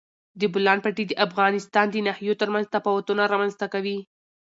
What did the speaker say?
د بولان پټي د افغانستان د ناحیو ترمنځ تفاوتونه رامنځ ته کوي.